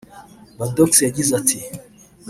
Badox yagize ati